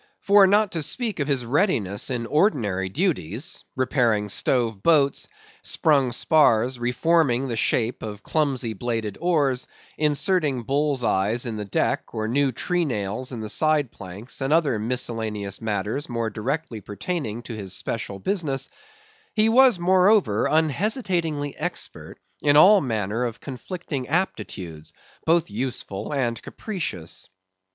For not to speak of his readiness in ordinary duties:—repairing stove boats, sprung spars, reforming the shape of clumsy bladed oars, inserting bull's eyes in the deck, or new tree nails in the side planks, and other miscellaneous matters more directly pertaining to his special business; he was moreover unhesitatingly expert in all manner of conflicting aptitudes, both useful and capricious.